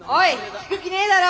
聞く気ねえだろ？